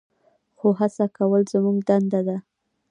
خو هڅه کول زموږ دنده ده.